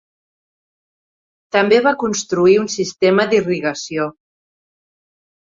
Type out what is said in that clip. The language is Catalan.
També va construir un sistema d'irrigació.